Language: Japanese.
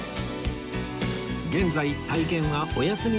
現在体験はお休み中との事